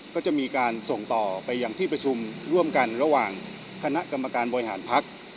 ก็จะมีการส่งต่อไปอย่างที่ประชุมร่วมกันระหว่างคณะกรรมการบริหารพัก